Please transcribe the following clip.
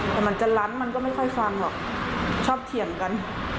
แต่มันจะลั้นมันก็ไม่ค่อยฟังหรอกชอบเถียงกัน